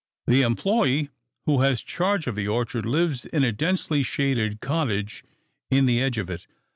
The employee who has charge of the orchard lives in a densely shaded cottage in the edge of it.